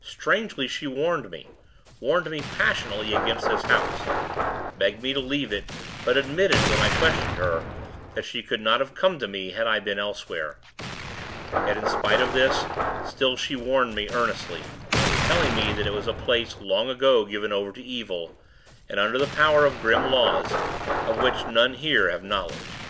Strangely, she warned me; warned me passionately against this house; begged me to leave it; but admitted, when I questioned her, that she could not have come to me, had I been elsewhere. Yet, in spite of this, still she warned me, earnestly; telling me that it was a place, long ago given over to evil, and under the power of grim laws, of which none here have knowledge.